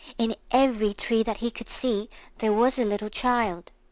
In every tree that he could see there was a little child.